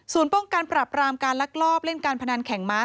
ป้องกันปรับรามการลักลอบเล่นการพนันแข่งม้า